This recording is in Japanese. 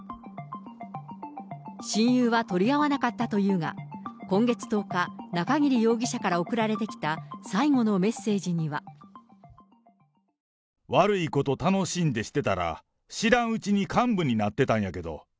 親友は取り合わなかったというが、今月１０日、中桐容疑者から送られてきた最後のメッセージには。悪いこと楽しんでしてたら、知らんうちに幹部になってたんやけど。